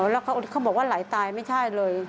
แล้วเขาบอกว่าไหลตายไม่ใช่เลย